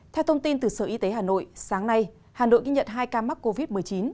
theo thông tin từ sở y tế hà nội sáng nay hà nội ghi nhận hai ca mắc covid một mươi chín